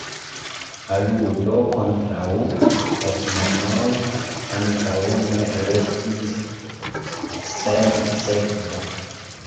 Aludo kontraŭ Basmanov ankaŭ ne restis sen sekvo.